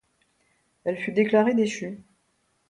Elle fut déclarée déchue.